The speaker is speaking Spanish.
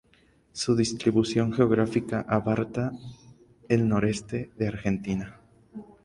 Su distribución geográfica abarca el noreste de la Argentina.